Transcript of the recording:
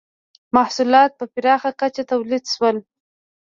• محصولات په پراخه کچه تولید شول.